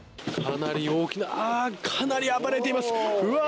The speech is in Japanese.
かなり大きなかなり暴れています！